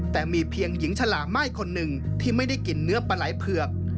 แต่มีเพียงหญิงฉลาม่ายคนหนึ่งที่ไม่ได้กินเนื้อปลาไหล่เผือก